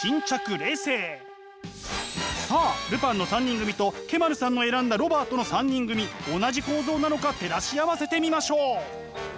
さあ「ルパン」の三人組とＫ−ｍａｒｕさんの選んだロバートの三人組同じ構造なのか照らし合わせてみましょう。